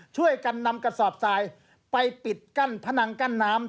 ช่วยกันนำกระสอบทรายไปปิดกั้นพนังกั้นน้ำ